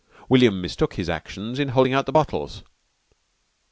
William mistook his action in holding out the bottles.